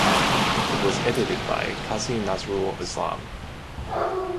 It was edited by Kazi Nazrul Islam.